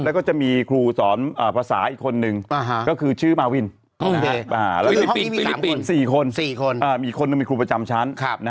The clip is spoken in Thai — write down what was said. แล้วก็จะมีครูสอนภาษาอีกคนนึงก็คือชื่อมาวินห้องนี้มี๓คน๔คนอีกคนนึงมีครูประจำชั้นนะครับ